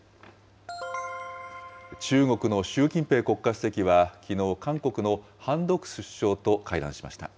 中国の習近平国家主席はきのう、韓国のハン・ドクス首相と会談しました。